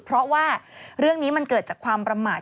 เพราะว่าเรื่องนี้มันเกิดจากความประมาท